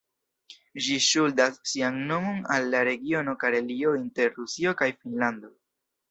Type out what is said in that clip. Ĝi ŝuldas sian nomon al la regiono Karelio inter Rusio kaj Finnlando.